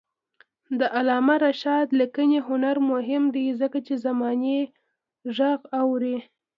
د علامه رشاد لیکنی هنر مهم دی ځکه چې زمانې غږ اوري.